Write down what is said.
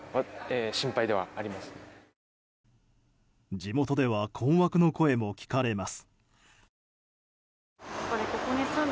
地元では困惑の声も聞かれます。